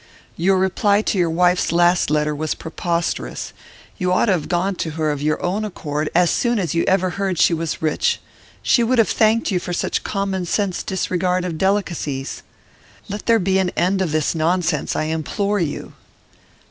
Your reply to your wife's last letter was preposterous. You ought to have gone to her of your own accord as soon as ever you heard she was rich; she would have thanked you for such common sense disregard of delicacies. Let there be an end of this nonsense, I implore you!